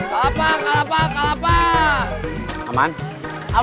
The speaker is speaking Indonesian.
tasik tasik tasik